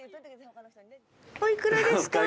お幾らですか？